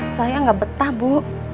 saya gak betah bu